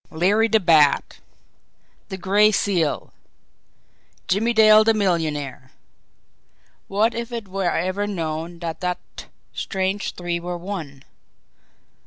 Larry the Bat! The Gray Seal! Jimmie Dale the millionaire! What if it were ever known that that strange three were one!